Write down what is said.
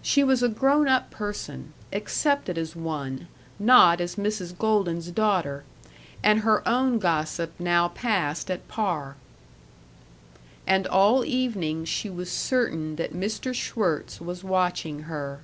She was a grown up person, accepted as one, not as Mrs. Golden's daughter; and her own gossip now passed at par. And all evening she was certain that Mr. Schwirtz was watching her.